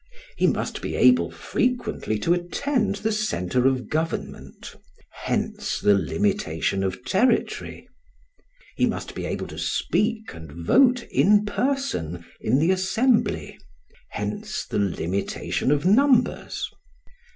He must be able frequently to attend the centre of government; hence the limitation of territory. He must be able to speak and vote in person in the assembly; hence the limitation of numbers.